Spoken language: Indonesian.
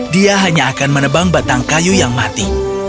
dia hanya akan menebang batang kayu yang mati